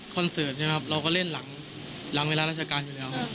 คอนเสิร์ตเราก็เล่นหลังเวลาราชการอยู่แล้ว